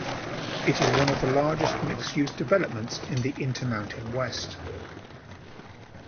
It is one of the largest mixed-use developments in the Intermountain West.